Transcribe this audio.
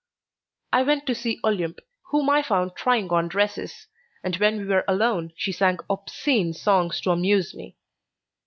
I went to see Olympe, whom I found trying on dresses, and when we were alone she sang obscene songs to amuse me.